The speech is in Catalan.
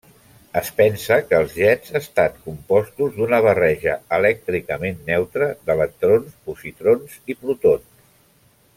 Es pensa que els jets estan compostos d'una barreja elèctricament neutra d'electrons, positrons i protons.